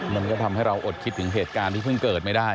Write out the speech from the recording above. มันก็ทำให้เราอดคิดถึงเหตุการณ์ที่เพิ่งเกิดไม่ได้